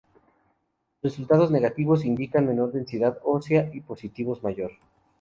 Resultados negativos indican menor densidad ósea, y positivos mayor.